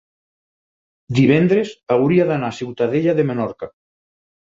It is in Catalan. Divendres hauria d'anar a Ciutadella de Menorca.